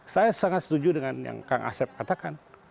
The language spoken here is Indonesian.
saya sangat setuju dengan yang kang asep katakan